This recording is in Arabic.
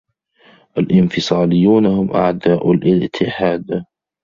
الإنفصاليون هم أعداء الإتحاد.